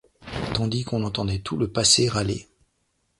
Tandis qu'on entendait tout le passé râler